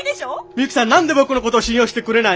ミユキさん何で僕のこと信用してくれない！？